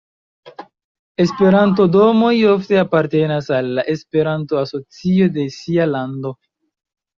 Esperanto-domoj ofte apartenas al la Esperanto-asocio de sia lando.